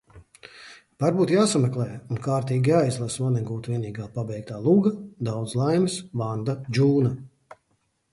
Varbūt jāsameklē un kārtīgi jāizlasa Vonnegūta vienīgā pabeigtā luga "Daudz laimes, Vanda Džūna"?